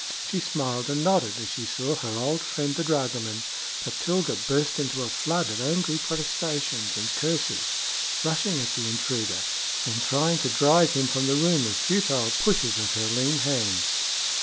She smiled and nodded as she saw her old friend the dragoman, but Tilga burst into a flood of angry protestations and curses, rushing at the intruder and trying to drive him from the room with futile pushes of her lean hands.